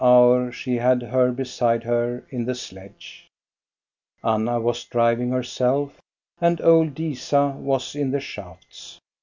207 hour she had her beside her in the sledge. Anna was driving herself, and old Disa was in the shafts.